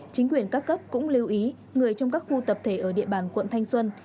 chính quyền các cấp cũng lưu ý người trong các khu tập thể ở địa bàn quận thanh xuân